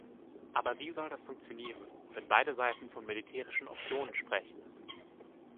Aber wie soll das funktionieren, wenn beide Seiten von militärischen Optionen sprechen?